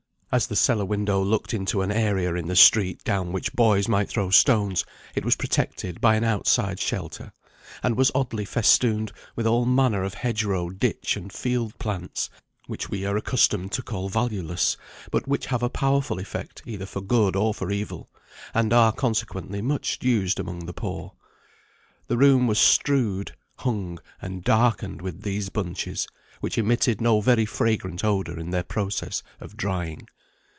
As the cellar window looked into an area in the street, down which boys might throw stones, it was protected by an outside shelter, and was oddly festooned with all manner of hedge row, ditch, and field plants, which we are accustomed to call valueless, but which have a powerful effect either for good or for evil, and are consequently much used among the poor. The room was strewed, hung, and darkened with these bunches, which emitted no very fragrant odour in their process of drying.